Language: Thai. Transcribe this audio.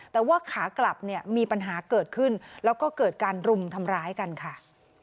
แต่ว่าขากลับเนี่ยมีปัญหาเกิดขึ้นแล้วก็เกิดการรุมทำร้ายกันค่ะ